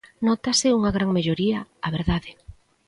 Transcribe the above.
Nótase unha gran melloría, a verdade.